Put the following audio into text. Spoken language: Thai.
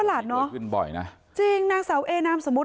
หลานเนอะวินบ่อยนะจริงนางสาวเอนามสมมุติ